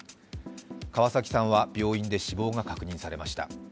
川崎さんは病院で死亡が確認されました。